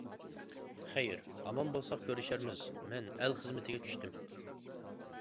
خەير ئامان بولساق كۆرۈشەرمىز مەن ئەل خىزمىتىگە چۈشتۈم.